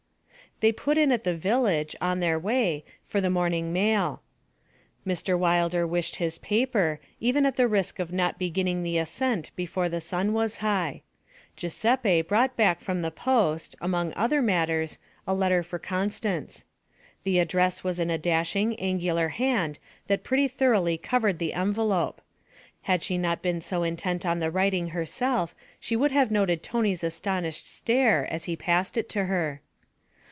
They put in at the village, on their way, for the morning mail; Mr. Wilder wished his paper, even at the risk of not beginning the ascent before the sun was high. Giuseppe brought back from the post, among other matters, a letter for Constance. The address was in a dashing, angular hand that pretty thoroughly covered the envelope. Had she not been so intent on the writing herself, she would have noted Tony's astonished stare as he passed it to her.